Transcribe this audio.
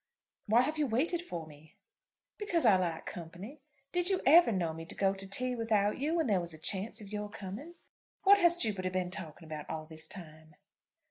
"Why have you waited for me?" "Because I like company. Did you ever know me go to tea without you when there was a chance of your coming? What has Jupiter been talking about all this time?"